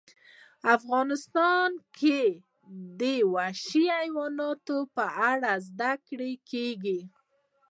افغانستان کې د وحشي حیواناتو په اړه زده کړه کېږي.